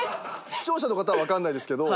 視聴者の方は分かんないですけど。